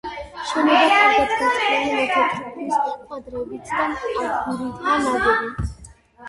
შენობა კარგად გათლილი, მოთეთრო ქვის კვადრებით და აგურითაა ნაგები.